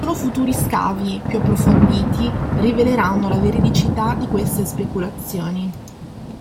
Solo futuri scavi più approfonditi riveleranno la veridicità di queste speculazioni.